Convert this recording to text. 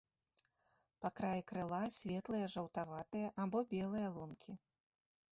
Па краі крыла светлыя жаўтаватыя або белыя лункі.